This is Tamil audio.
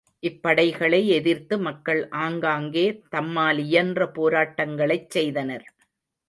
இப்படைகளை எதிர்த்து மக்கள் ஆங்காங்கே தம்மாலியன்ற போராட்டங்களைச் செய்தனர்.